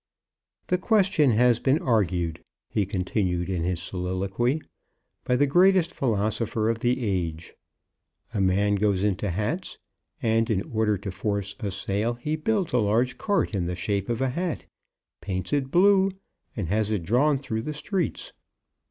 "The question has been argued," he continued in his soliloquy, "by the greatest philosopher of the age. A man goes into hats, and in order to force a sale, he builds a large cart in the shape of a hat, paints it blue, and has it drawn through the streets.